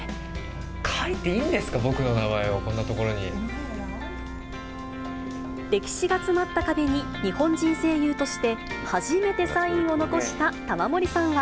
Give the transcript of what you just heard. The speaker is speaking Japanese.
書いていいんですか、歴史が詰まった壁に、日本人声優として初めてサインを残した玉森さんは。